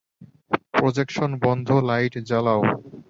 Projection বন্ধ light জ্বালাও।